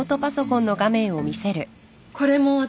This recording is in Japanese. これも私。